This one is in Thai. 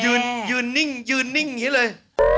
อยู่นิ่งอยู่นิ่งอยู่นิ่งอย่างนี้เลย